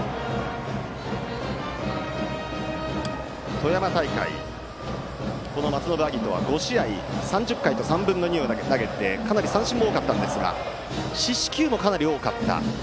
富山大会、松延晶音は、５試合３０回と３分の２を投げてかなり三振も多かったんですが四死球もかなり多かった。